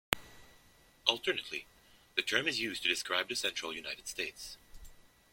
Alternately, the term is used to describe the central United States.